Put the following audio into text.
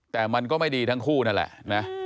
แต่มันก็ไม่ดีทั้งคู่นั่นแหละนะ